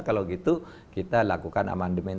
kalau gitu kita lakukan amandemen